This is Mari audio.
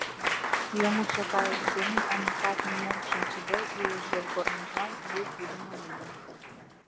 Йомшо кайык семын Анукат, нимом шинчыде, илыш йолгорныжлан вуй пуыдымо лийын.